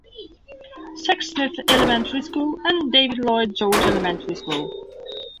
Sexsmith Elementary School, and David Lloyd George Elementary School.